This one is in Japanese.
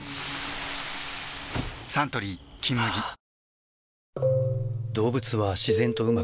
サントリー「金麦」・あっ！！